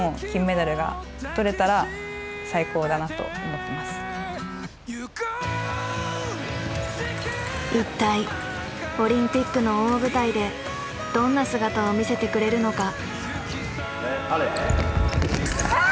結局もうそこはぶらさずに一体オリンピックの大舞台でどんな姿を見せてくれるのか。